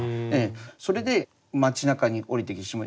それで町なかに下りてきてしまう。